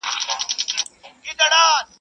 چي سردار دی د ګلونو خو اصیل ګل د ګلاب دی.